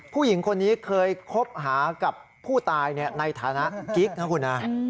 ผู้หญิงคนนี้เคยคบหากับผู้ตายในฐานะกิ๊กนะคุณนะ